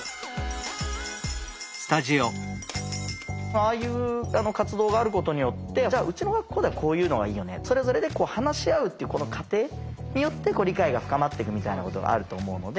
ああいう活動があることによってじゃあうちの学校ではこういうのがいいよねそれぞれで話し合うっていうこの過程によって理解が深まっていくみたいなことがあると思うので。